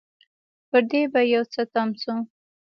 پر دې به يو څه تم شو.